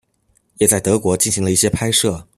也在德国进行了一些拍摄。